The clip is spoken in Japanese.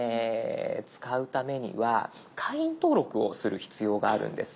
使うためには会員登録をする必要があるんです。